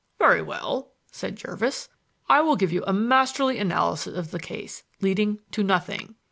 "Very well," said Jervis, "I will give you a masterly analysis of the case leading to nothing."